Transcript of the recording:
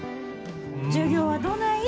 授業はどない？